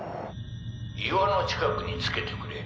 岩の近くに着けてくれ。